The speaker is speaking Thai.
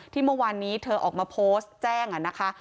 เมื่อวานนี้เธอออกมาโพสต์แจ้งนะคะ